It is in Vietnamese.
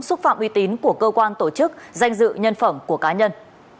xúc phạm uy tín của cơ quan tổ chức danh dự nhân phẩm của cá nhân